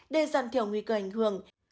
để giàn thiểu nguy cơ ảnh hưởng